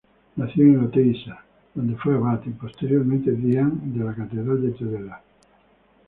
Nació en Oteiza, donde fue abad, y posteriormente deán de la catedral de Tudela.